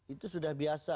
itu sudah biasa